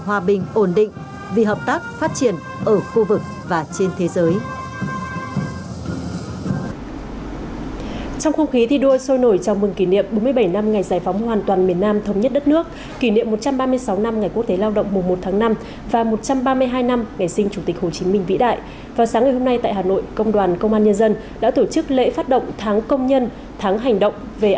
hòa bình ổn định vì hợp tác phát triển ở khu vực và trên thế giới